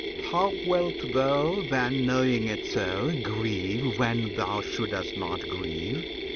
How wilt thou, then, Knowing it so, grieve when thou shouldst not grieve?